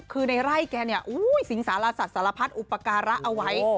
คือในไร่แกเนี่ยสิงสารสัตวสารพัดอุปการะเอาไว้